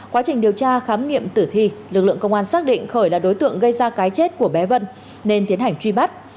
quá trình điều tra khám nghiệm tử thi lực lượng công an xác định khởi là đối tượng gây ra cái chết của bé vân nên tiến hành truy bắt